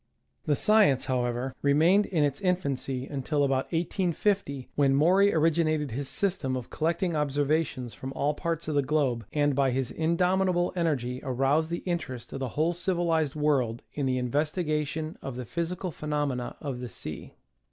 The science, however, remained in its infancy un til about 1850, when Maury originated his system of collecting observations from all parts of the globe, and by his indomitable energy aroused the interest of the whole civilized world in the investigation of the physical phenomena of the sea.